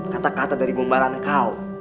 kata kata dari gumbaran kau